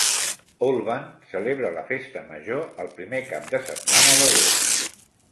Olvan celebra la festa major el primer cap de setmana d'agost.